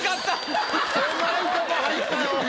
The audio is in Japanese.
狭いとこ入ったよ。